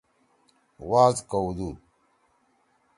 وعظ کؤدُود۔